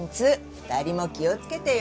２人も気をつけてよ。